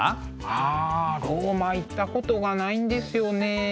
あローマ行ったことがないんですよね。